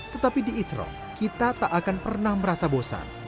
tetapi di ithro kita tak akan pernah merasa bosan